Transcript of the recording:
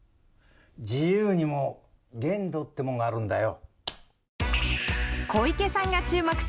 自由にも限度ってもんがあるんだよ。